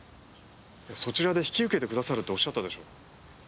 いやそちらで引き受けてくださるっておっしゃったでしょ？